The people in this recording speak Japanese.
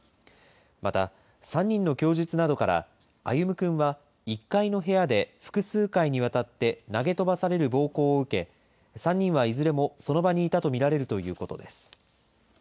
また、３人の供述などから、歩夢くんは１階の部屋で複数回にわたって投げ飛ばされる暴行を受け、３人はいずれもその場にいたと見られるということです。